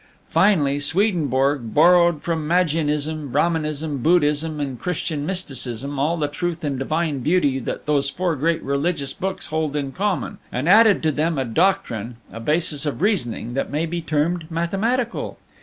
Finally, Swedenborg borrowed from Magianism, Brahmanism, Buddhism, and Christian mysticism all the truth and divine beauty that those four great religious books hold in common, and added to them a doctrine, a basis of reasoning, that may be termed mathematical.